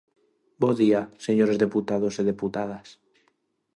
Bo día, señores deputados e deputadas.